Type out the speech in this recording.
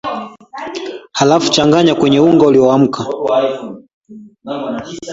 halafu changanya kwenye unga ulioumka